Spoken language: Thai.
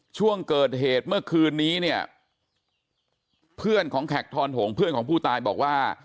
ช่วงเกิดเหตุเมื่อคืนนี้เนี่ยเพื่อนของแขกทอนหงเพื่อนของผู้ตายบอกว่า